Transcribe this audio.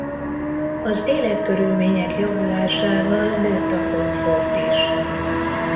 Az életkörülmények javulásával nőtt a komfort is.